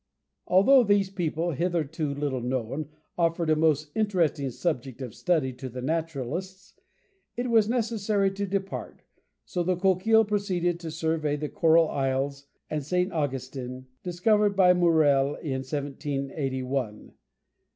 Although these people, hitherto little known, offered a most interesting subject of study to the naturalists, it was necessary to depart, so the Coquille proceeded to survey the Coral Isles and St. Augustin, discovered by Maurelle in 1781.